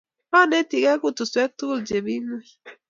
Anetikei kutuswek tukul chepi ng'wony.